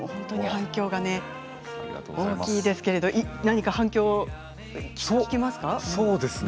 反響が大きいですけれども何か聞きますか？